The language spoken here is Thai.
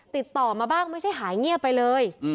ติดต่อมาบ้างไม่ใช่หายเงียบไปเลย